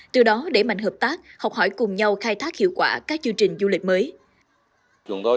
từ đó để mạnh hợp tác học hỏi cùng nhau khai thác hiệu quả các chương trình du lịch mới